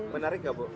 menarik gak bu